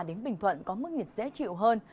đến bình thuận có mức nhiệt dễ chịu hơn